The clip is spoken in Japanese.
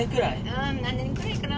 うん何年くらいかな？